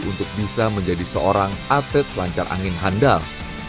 untuk bisa menjadi seorang atlet selancar angin handal